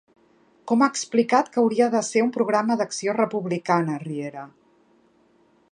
Com ha explicat que hauria de ser un programa d'acció republicana, Riera?